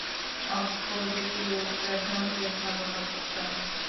অক্সফোর্ডের duke, দেখা হয়ে ভাল লাগল, স্যার!